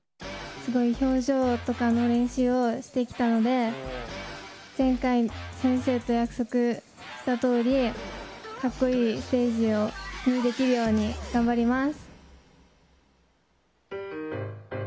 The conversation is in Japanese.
すごい表情とかの練習をしてきたので、前回、先生と約束したとおり、かっこいいステージにできるように頑張ります。